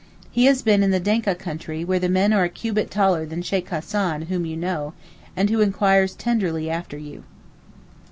He has been in the Denka country where the men are a cubit taller than Sheykh Hassan whom you know, and who enquires tenderly after you.